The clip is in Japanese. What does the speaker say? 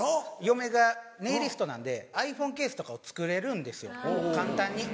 嫁がネイリストなんでｉＰｈｏｎｅケースとかを作れるんですよ簡単に。